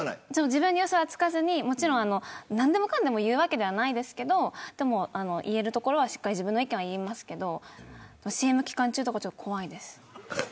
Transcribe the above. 自分にうそはつかずに何でもかんでも言うわけではないですけど言えるところは、しっかり自分の意見を言いますけどＣＭ中とかは怖いです。